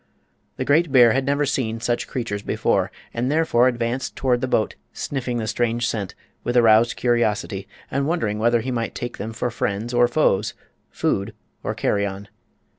The great bear had never seen such creatures before, and therefore advanced toward the boat, sniffing the strange scent with aroused curiosity and wondering whether he might take them for friends or foes, food or carrion.